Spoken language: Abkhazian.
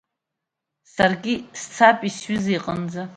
Саргьы сцапи сҩыза иҟынӡа…